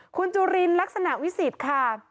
คุณจุลินลักษณะวิสิทธิ์ค่ะ